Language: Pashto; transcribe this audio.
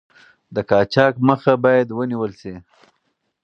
د قاچاق مخه باید ونیول شي.